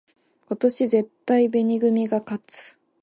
今年絶対紅組が勝つ